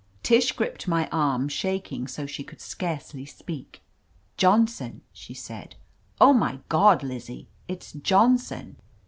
Tish gripped my arm, shaking so she could scarcely speak. "Johnson!" she said. "Oh, my God, Lizzie, it's Johnson!"